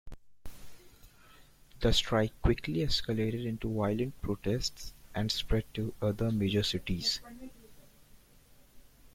The strike quickly escalated into violent protests and spread to other major cities.